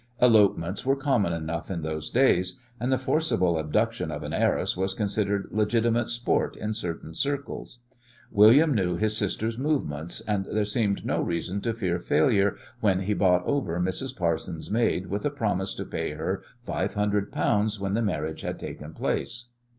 Elopements were common enough in those days, and the forcible abduction of an heiress was considered legitimate sport in certain circles. William knew his sister's movements, and there seemed no reason to fear failure when he bought over Miss Parsons' maid with a promise to pay her five hundred pounds when the marriage had taken place.